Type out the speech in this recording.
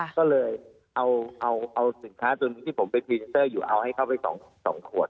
ก็เลยเอาสินค้าที่นี่ผมไปตรฟินเตอร์เอาเข้าไปเป็น๒ขวด